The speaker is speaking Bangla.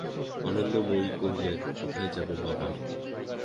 আনন্দময়ী কহিলেন, কোথায় যাবে বাবা?